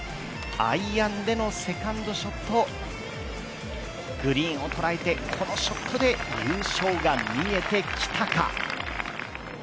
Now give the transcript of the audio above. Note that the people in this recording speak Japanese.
アイアンでのセカンドショットグリーンを捉えてこのショットで優勝が見えてきたか。